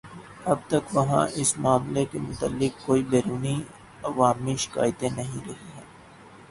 اب تک وہاں اس معاملے کے متعلق کوئی بیرونی عوامی شکایتیں نہیں رہی ہیں